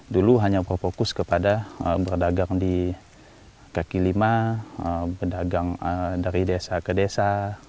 dulu hanya berfokus kepada berdagang di kaki lima berdagang dari desa ke desa